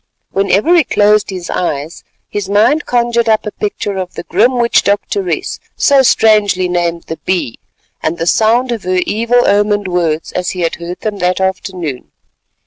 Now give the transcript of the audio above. Whenever he closed his eyes, his mind conjured up a picture of the grim witch doctoress, so strangely named the Bee, and the sound of her evil omened words as he had heard them that afternoon.